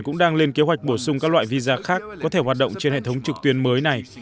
hệ thống visa điện tử sẽ được áp dụng các loại visa khác có thể hoạt động trên hệ thống trực tuyến mới này